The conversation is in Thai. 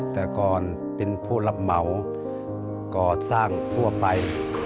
แต่ก่อนเป็นผู้รับเหมาก่อสร้างทั่วไป